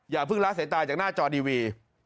อย่าพึ่งล้าใส่ตายจากหน้าจอดีวี